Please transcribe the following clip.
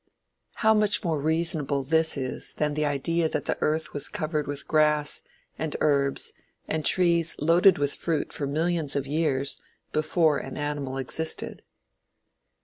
How much more reasonable this is than the idea that the Earth was covered with grass, and herbs, and trees loaded with fruit for millions of years before an animal existed.